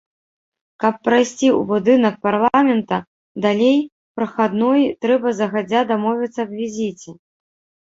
Каб прайсці ў будынак парламента далей прахадной, трэба загадзя дамовіцца аб візіце.